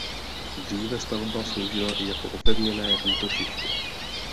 Dříve stavba sloužila i jako opevněné útočiště.